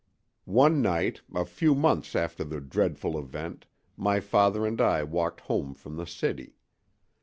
One night, a few months after the dreadful event, my father and I walked home from the city.